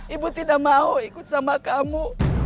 ibu tidak mau ikut sama kamu